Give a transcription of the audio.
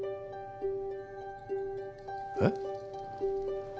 えっ？